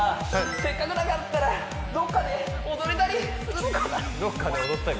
せっかくだからどっかで踊ったり？